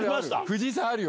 藤井さんあるよ。